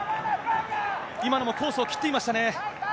今のもコースを切っていましたね。